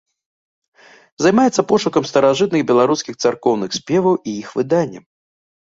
Займаецца пошукам старажытных беларускіх царкоўных спеваў і іх выданнем.